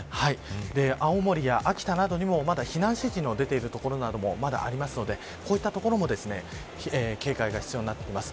青森や秋田などにも、まだ避難指示の出ている所などもありますのでこういった所も警戒が必要になってきます。